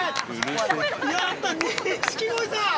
◆やった、錦鯉さん。